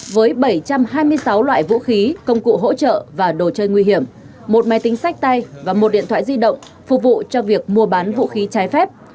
với bảy trăm hai mươi sáu loại vũ khí công cụ hỗ trợ và đồ chơi nguy hiểm một máy tính sách tay và một điện thoại di động phục vụ cho việc mua bán vũ khí trái phép